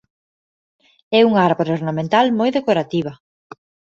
É unha árbore ornamental moi decorativa.